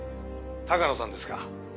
鷹野さんですか？